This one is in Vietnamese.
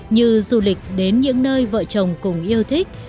như du lịch đến những nơi vợ chồng cùng yêu thích